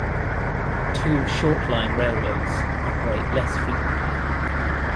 Two short-line railroads operate less frequently.